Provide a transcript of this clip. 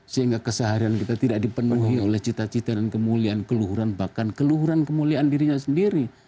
sehingga keseharian kita tidak dipenuhi oleh cita cita dan kemuliaan keluhuran bahkan keluhuran kemuliaan dirinya sendiri